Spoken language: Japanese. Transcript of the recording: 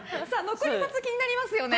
残り２つ、気になりますよね。